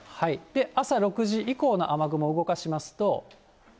朝６時以降の雨雲動かしますと。